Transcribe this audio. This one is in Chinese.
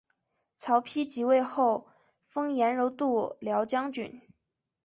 曹丕即位后封阎柔度辽将军。